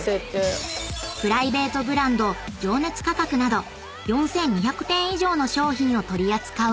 ［プライベートブランド情熱価格など４，２００点以上の商品を取り扱う